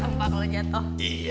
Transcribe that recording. tempat kalau jatuh